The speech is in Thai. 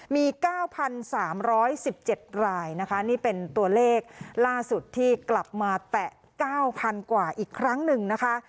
มี๙๓๑๗รายนะคะนี่เป็นตัวเลขล่าสุดที่กลับมาแตะ๙๐๐กว่าอีกครั้งหนึ่งนะคะ